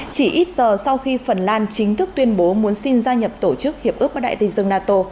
chỉ ít giờ sau khi phần lan chính thức tuyên bố muốn xin gia nhập tổ chức hiệp ước bắc đại tây dương nato